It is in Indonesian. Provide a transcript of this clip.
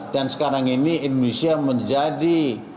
dan sekarang ini indonesia menjadi